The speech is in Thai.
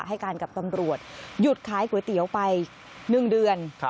ให้การกับตำรวจหยุดขายก๋วยเตี๋ยวไป๑เดือน